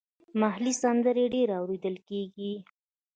محلي سندرې ډېرې اوریدل کیږي.